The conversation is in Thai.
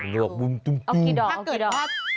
เอากี่ดอก